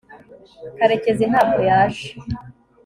karekezi ntabwo yaje